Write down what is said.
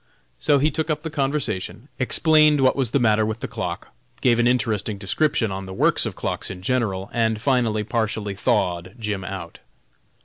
So he took up the conversation, explained what was the matter with the clock, gave an interesting description on the works of clocks in general, and finally partially thawed Jim out.